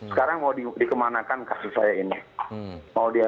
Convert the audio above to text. sekarang mau dikemanakan kasus saya ini